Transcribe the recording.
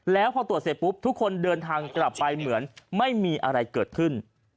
แล้วพอตรวจเสร็จปุ๊บทุกคนเดินทางกลับไปเหมือนไม่มีอะไรเกิดขึ้น